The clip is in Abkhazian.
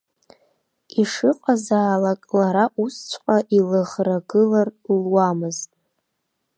Ишыҟазаалак, лара усҵәҟьа илыӷрагылар луамызт.